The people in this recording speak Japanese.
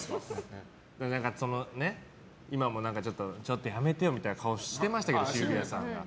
今もちょっとやめてよみたいな顔してましたけど、シルビアさんが。